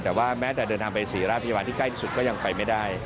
แต่ว่าแม้แต่เดินทางไปศรีราชพยาบาลที่ใกล้ที่สุดก็ยังไปไม่ได้